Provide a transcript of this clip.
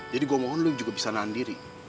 jadi gue mohon lo juga bisa nahan diri